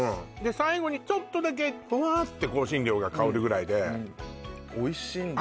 最後にちょっとだけフワって香辛料が香るぐらいでおいしいんですよ